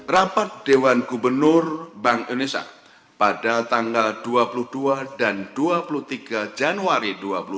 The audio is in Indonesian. rapat dewan gubernur bank indonesia pada tanggal dua puluh dua dan dua puluh tiga januari dua ribu dua puluh